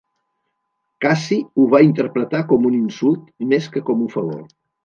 Cassi ho va interpretar com un insult més que com un favor.